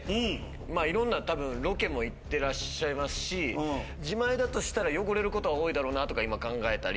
いろんなロケも行ってらっしゃいますし自前だとしたら汚れることが多いだろうなとか考えたり。